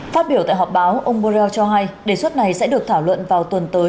phát biểu tại họp báo ông borrell cho hay đề xuất này sẽ được thảo luận vào tuần tới